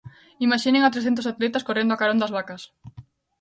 Imaxinen a trescentos atletas correndo a carón das vacas.